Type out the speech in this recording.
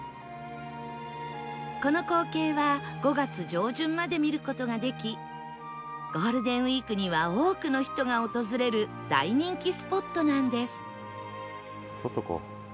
この光景は５月上旬まで見る事ができゴールデンウィークには多くの人が訪れる大人気スポットなんです